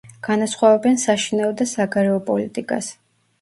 განასხვავებენ საშინაო და საგარეო პოლიტიკას.